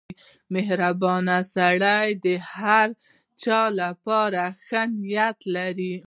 • مهربان سړی د هر چا لپاره ښه نیت لري.